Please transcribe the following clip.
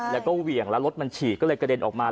แล้วก็เหวี่ยงแล้วรถมันฉี่ก็เลยกระเด็นออกมา